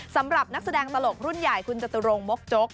สำหรับนักแสดงตลกรุ่นใหญ่คุณจตุรงมกจก